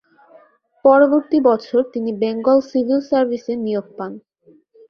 পরবর্তী বছর তিনি বেঙ্গল সিভিল সার্ভিসে নিয়োগ পান।